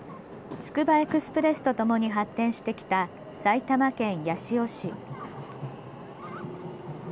つくばエクスプレスとともに発展してきた埼玉県八潮市。